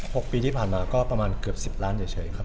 หกปีที่ผ่านมาก็ประมาณเกือบสิบล้านเฉยครับ